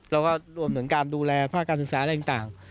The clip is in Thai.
แล้วก็รวมถึงการดูแลภาคการศึกษาอะไรต่าง